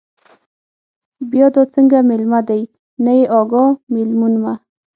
بیا دا څنگه مېلمه دے، نه يې اگاه، مېلمون مه